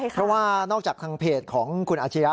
เพราะว่านอกจากทางเพจของคุณอาชียะ